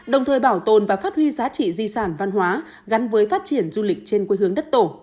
đồng thời bảo tồn và phát huy giá trị di sản văn hóa gắn với phát triển du lịch trên quê hương đất tổ